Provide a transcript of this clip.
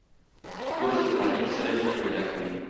کورس د تعلیم سره مینه پیدا کوي.